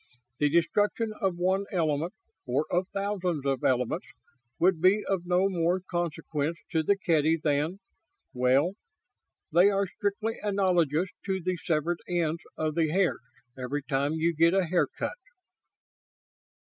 The destruction of one element, or of thousands of elements, would be of no more consequence to the Kedy than ... well, they are strictly analogous to the severed ends of the hairs, every time you get a haircut."